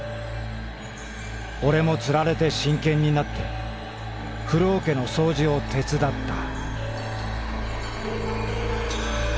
オレもつられて真剣になってフロおけの掃除を手つだった」。